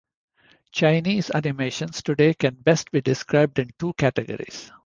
Chinese animations today can best be described in two categories.